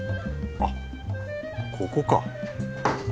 あっここか